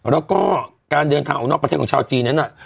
แล้วก็การเดินทางออกนอกประเทศของชาวจีนนั้น